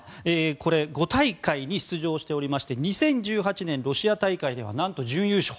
これ５大会に出場しておりまして２０１８年ロシア大会ではなんと準優勝。